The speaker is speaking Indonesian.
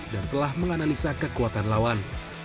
dan telah menganalisa kekuatan lawan